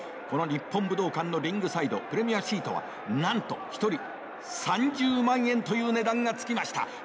この日本武道館のリングサイドプレミアシートはなんと１人３０万円という値段が付きました。